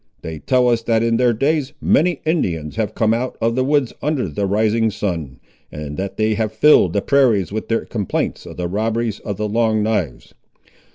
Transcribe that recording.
They tell us that in their days many Indians have come out of the woods under the rising sun, and that they have filled the prairies with their complaints of the robberies of the Long knives.